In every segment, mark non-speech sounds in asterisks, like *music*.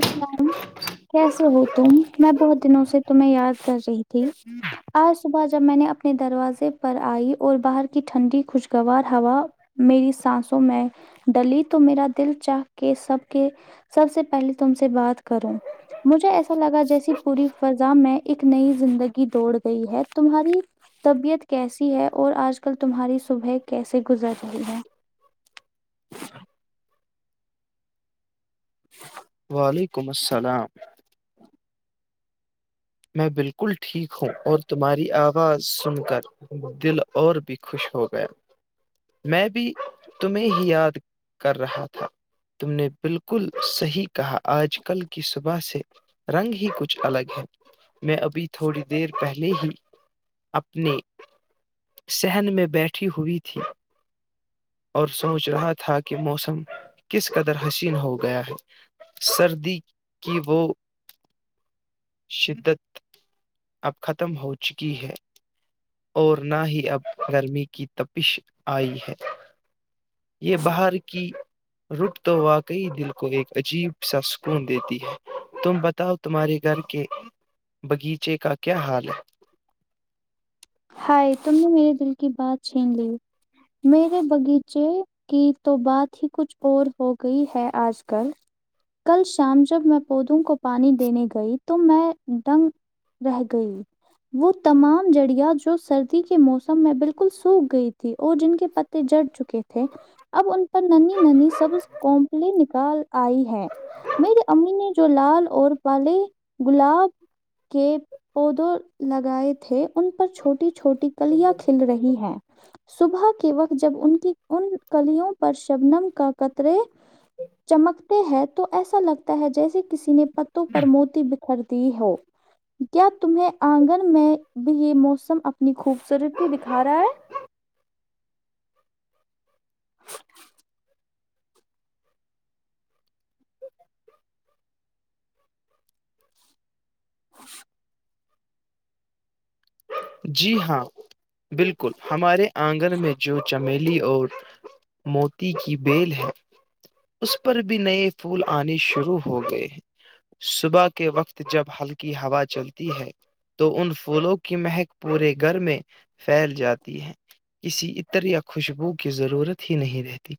السلام کیسے ہو تم میں بہت دنوں سے تمہیں یاد کر رہی تھی آج صبح جب میں نے اپنے دروازے پر آئی اور باہر کی ٹھنڈی خوشگوار ہوا میری سانسوں میں ڈلی تو میرا دل چاہ کے سب کے سب سے پہلے تم سے بات کروں مجھے ایسا لگا جیسی پوری فضا میں ایک نئی زندگی دوڑ گئی ہے تمہاری طبیعت کیسی ہے اور آج کل تمہاری صبح کیس گزر رہی ہے ہ وعلیکم السلام میں بالکل ٹھیک ہوں اور تمہاری آواز سن کر دل اور بھی خوش ہو گیا میں بھی تمہیں ہی یاد کر رہا تھا تم نے بالکل صحیح کہا آج کل کی صبح سے رنگ ہی کچھ الگ ہے میں ابھی تھوڑی دیر پہلے ہی اپنے صحن میں بیٹھی ہوئی تھی اور سوچ رہا تھا کہ موسم کس قدر حسین ہو گیا ہے سردی کی وہ شدت اب ختم ہو چکی ہے اور نہ ہی اب گرمی کی تپش آئی ہے یہ باہر کی رک تو واقعی دل کو ایک عجیب سا سکون دیتی ہے تم بتاؤ تمہارے گھر کے باغیچے کا کیا حال ہے ہائے تم نے میرے دل کی بات چھین لی میرے باغیچے کی تو بات ہی کچھ اور ہو گئی ہے آج کل کل شام جب میں پودوں کو پانی دینے گئی تو میں ڈنگ رہ گئی وہ تمام جڑیا جو جو سردی کے موسم میں بالکل سوکھ گئی تھی اور جن کے پتے جڑ چکے تھے اب ان پر ن ننی سبز کومپلی نکال آئی ہے *unintelligible* میری امی نے جو لال اور پالے گلاب کے پودوں لگائے تھے ان پر چھوٹی چھوٹی کلیاں کھل رہی ہیں صبح کے وقت جب ان کی ان کلیوں پر شبنم کا قطرے چمکتے ہیں تو ایسا لگتا ہے جیسے کسی نے پتوں پر موتی بک کرتی ہو کیا تمہیں آنگن میں بھی یہ موسم اپنی خوب سرتی دکھا رہا ہے *inaudible* ا *inaudible* جی ہاں بالکل ہمارے آنگن میں جو چمیلی اور موتی کی بیل ہے اس پر بھی نئے پھول آنی شروع ہو گئے ہیں صبح کے وقت جب ہلکی ہوا چلتی ہے تو ان پھولوں کی مہک پورے گھر میں پھیل جاتی ہے کسی عطر یا خوشبو کی ضرورت ہی نہیں رہتی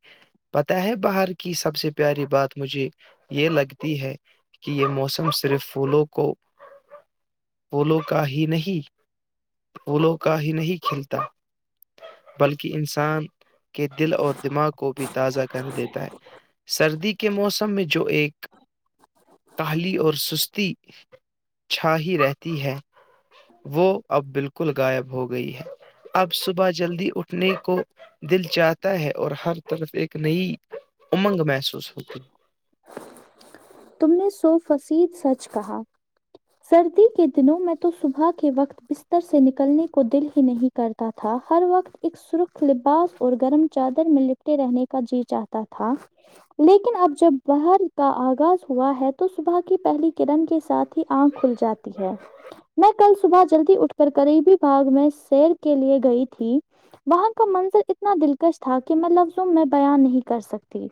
پتاہ ہے باہر کی سب سے پیاری بات مجھے یہ لگتی ہے کہ یہ موسم صرف پھولوں کو پولو کا ہی نہیں پولو کا ہی نہیں کھیلتا بلکہ انسان کے دل اور دماغ کو بھی تازہ کر دیتا ہے سردی کے موسم میں جو ایک کالی اور سستی چھا ہی رہتی ہے وہ اب بالکل غائب ہوگیا گئی ہے اب صبح جلدی اٹھنے کو دل چاہتا ہے اور ہر طرف ایک نئی امنگ محسوس ہوتی ہے تم نے سو فصد سچ کہا *unintelligible* سردی کے دنوں میں تو صبح کے وقت بستر سے نکلنے کو دل ہی نہیں کرتا تھا ہر وقت ایک سرخت لباس اور گرم چادر میں لپٹے رہنے کا جی چ آتا *unintelligible* تھا لیکن اب جب باہر کا آغاز ہوا ہے تو صبح کی پہلی کرن کے ساتھ ہی آنکھ کھل جاتی ہے میں کل صبح جلدی اٹھ کر قریبی باغ میں شیر کے لیے گئی تھی وہاں کا منظر اتنا دلکش تھا کہ میں لفظم میں بیان نہیں کر سکتی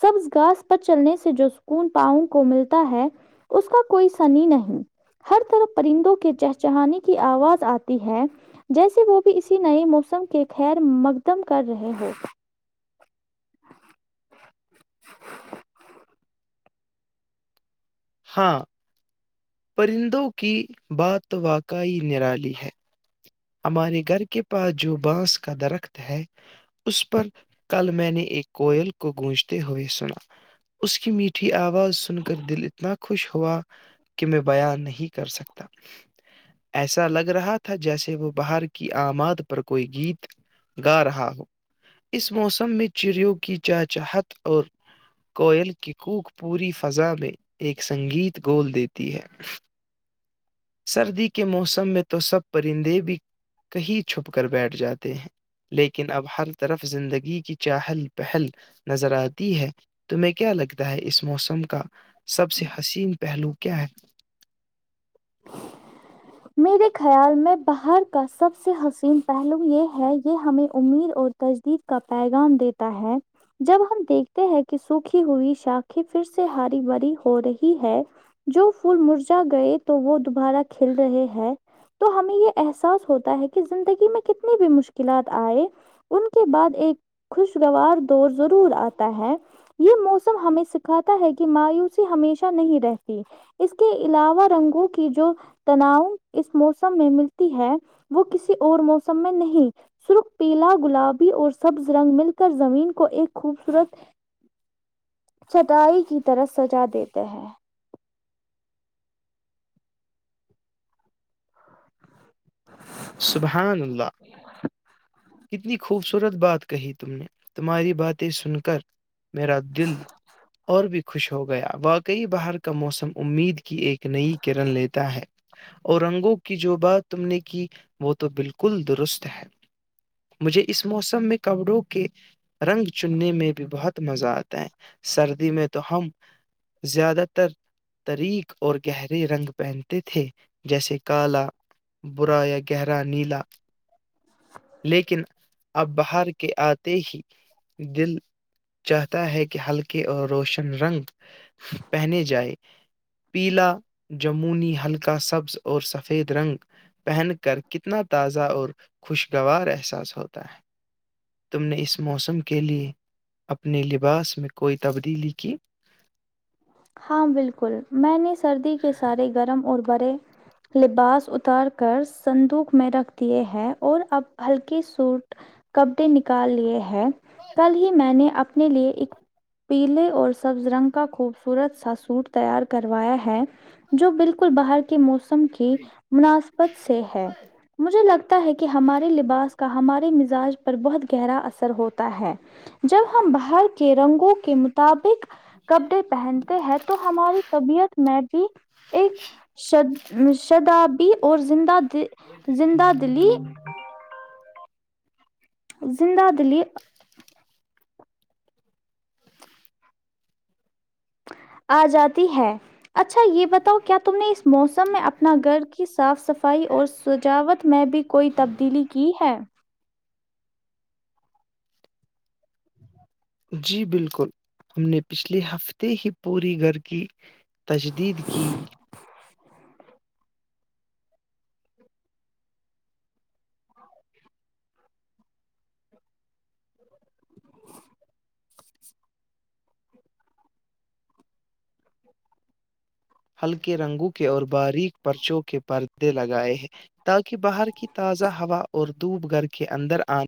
سبز گاس پر چلنے سے جو سکون پاؤں کو ملتا ہے اس کا کوئی سنی نہیں ہر طرف پرندوں کے چہ چہانانی کی آواز آتی ہے جیسے وہ بھی اسی نئے موسم کے خیر مقدم کر رہے ہو ہاں پرندوں کی بات واقعی نرالی ہے ہمارے گھر کے پاس جو بانس کا درخت ہے اس پر کل میں نے ایک کوئل کو گونجتے ہوئے سنا اس کی میٹھی آواز سن کر دل اتنا خوش ہوا کہ میں بیا نہیں کر سکتا ایسا لگ رہا تھا جیسے وہ باہر کی آماد پر کوئی گیت گا رہا ہو اس موسم میں چڑیوں کی چاچاہت اور کوئل کی کوک پوری فضا میں ایک سنگیت گول دیتی ہے سردی کے موسم میں تو سب پرندے بھی کہیں چھپ کر بیٹھ جاتے ہیں لیکن اب ہر طرف زندگی کی چہل پہل نظر آتی ہے تمہیں کیا لگتا ہے اس موسم کا سب سے حسین پہلو کیا ہے میرے خیال میں باہر کا سب سے حسین پہلو یہ ہے یہ ہمیں امید اور تجدید کا پیغام دیتا ہے جب ہم دیکھتے ہیں کہ سوکھی ہوئی شاخھی پھر سے ہری بھری ہو رہی ہے جو پھول مرجا گئے تو وہ دوبارہ کل رہے ہیں تو ہمیں یہ احساس ہوتا ہے کہ زندگی میں کتنی بھی مشکلات آئے ان کے بعد ایک خوشگوار دور ضرور آتا ہے یہ موسم ہمیں سکھاتا ہے کہ مایوسی ہمیشہ نہیں رہتی اس کے علاوہ رنگوں کی جو تناؤ اس موسم میں ملتی ہے وہ کسی اور موسم میں نہیں سرخ پیلا گلابی اور سبز رنگ مل کر زمین کو ایک خوبصورت چٹائی کی طرح سجا دیتے ہیں سبحان اللہ کتنی خوبصورت بات کہی تم نے تمہاری باتیں سن کر میرا دل اور بھی خوش ہو گیا واقعی بہار کا موسم امید کی ایک نئی کرن لیتا ہے اور رنگوں کی جو بات تم نے کی وہ تو بالکل درست ہے مجھے اس موسم میں کپڑوں کے رنگ چننے میں بھی بہت مزہ آتا ہے سردی میں تو ہم زیادہ تر طریک اور گہرے رنگ پہنتے تھے جیسے کالا برا یا گہرا نیلا لیکن اب باہر کے آتے ہی دل چاہتا ہے کہ ہلکے اور روشن رنگ پہنے جائے پیلا جمونی ہلکا سبز اور سفید رنگ پہن کر کر کتنا تازہ اور خوشگوار احساس ہوتا ہے تم نے اس موسم کے لیے اپنے لباس میں کوئی تبدیلی کی ہاں بالکل میں نے سردی کے سارے گرم اور برے لباس اتار کر سندوک میں رکھ دیے ہیں اور اب ہلکی سوٹ کپڈے نکال لیے ہیں کل ہی میں نے اپنے اپنے لیے ایک پیلے اور سبز رنگ کا خوب سورت سا سوٹ تیار کروایا ہے جو بالکل باہر کے موسم کی مناسبت سے ہے مجھے لگتا ہے کہ ہمارے لباس کا ہمارے مزاج پر بہت گہرا اثر ہوتا ہے جب ہم باہر کے رنگوں کے مطابق کپڑے پہنتے ہیں تو ہماری طبیعت میں بھی ایک ش شدابی اور زندہ زندہ دلی زندہ دلی آ جاتی ہے اچھا یہ بتاؤ کیا تم نے اس موسم میں اپنا گھر کی صاف صفائی اور سجاوٹ میں بھی کوئی تبدیلی کی ہے جی بالکل ہم نے پچھلے ہفتے ہی پوری گھر کی تجدید کی ہلکے رنگوں کے اور باریک پرچوں کے پردے لگائے ہیں تاکہ باہر کی تازہ ہوا اور دوب گھر کے اندر آ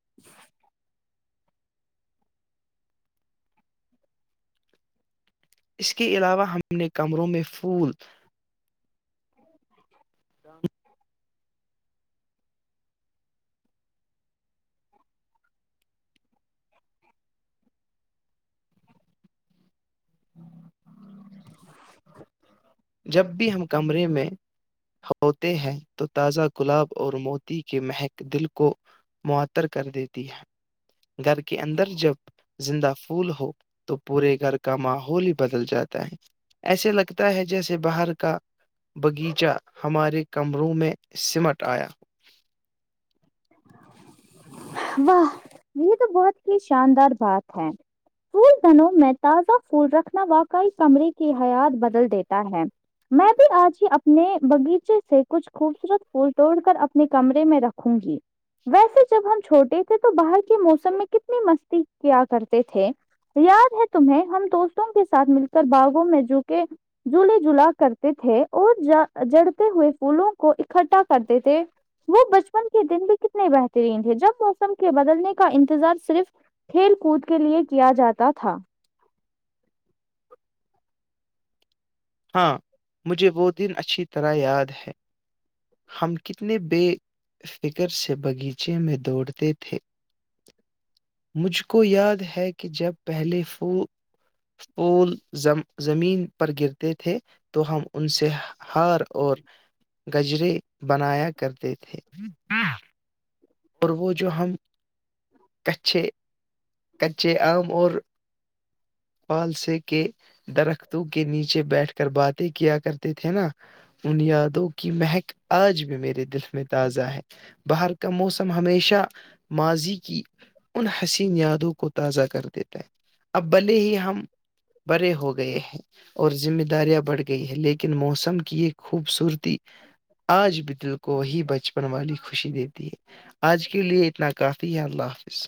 *inaudible* اس کے علاوہ ہم نے کمروں میں پھول *inaudible* جب بھی ہم کمرے میں ہوتے ہیں تو تازہ گلاب اور موتی کے مہک دل کو معطر کر دیتی ہے گھر کے اندر جب زندہ پھول ہو تو پورے گھر کا ماحول ہی بدل جاتا ہے ایسے لگتا ہے جیسے باہر کا باغیچہ ہمارے کمروں میں سمٹ آیا *inaudible* واہ یہ تو بہت ہی شاندار بات ہے پھول دنوں میں تازہ پھول رکھنا واقعی کمرے کی حیات بدل دیتا ہے میں بھی آج ہی اپنے باغیچے سے کچھ خوبصورت پھول توڑ کر اپنے کمرے میں رکھوں گی ویسے جب ہم چھوٹے تھے تو باہر کے موسم میں کتنی مستی کیا کرتے تھے یاد ہے تمہیں ہم دوستوں کے ساتھ مل کر باغوں میں جو کے جلے جلا کرتے تھے اور ج جڑتے ہوئے پھولوں کو اکٹھا کرتے تھے وہ بچپن کے دن بھی کتنے بہترین تھے جب موسم کے بدلنے کا انتظار صرف کھیل کود کے لیے کیا جاتا تھا ہاں مجھے وہ دن اچھی طرح یاد ہے ہم کتنے بے فکر سے باغیچے میں دوڑتے تھے مجھ کو یاد ہے کہ جب پہلے ف پول ز زمین پر گر تھے تو ہم ان سے ہار اور گجرے بنایا کرتے تھے اور وہ جو ہم کچے کچے آم اور پالسے کے درختوں کے نیچے بیٹھ کر کر باتیں کیا کرتے تھے نا ان یادوں کی محک آج بھی میرے دل میں تازہ ہے باہر کا موسم ہمیشہ ماضی کی ان حسین یادوں کو تازہ کر دیتا ہیں اب بھلے ہی ہم بڑے ہو گئے ہیں اور ذمہ داریاں بڑھ کے *unintelligible* گئی ہے لیکن موسم کی یہ خوبصورتی آج بھی کو ہی بچپن والی خوشی دیتی ہے آج کے لیے اتنا کافی ہے اللہ حافظ